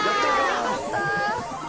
よかった。